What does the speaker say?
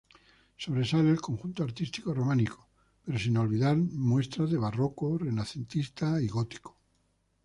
Sobresale el conjunto artístico románico, pero sin olvidar muestras de barroco, renacentista y gótico.